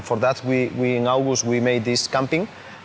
เพื่อที่นั้นในอาวุธเราจะทำการเตรียม